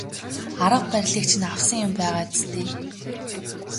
Арга барилыг чинь авсан юм байгаа биз дээ.